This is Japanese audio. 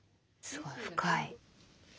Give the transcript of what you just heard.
すごい深い。